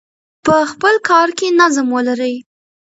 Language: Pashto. په خپل کار کې نظم ولرئ.